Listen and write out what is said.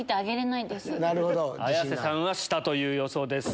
綾瀬さんは下という予想です。